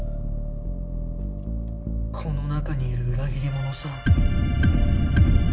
この中にいる裏切り者さん。